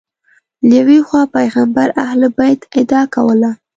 له یوې خوا پیغمبر اهل بیت ادعا کوله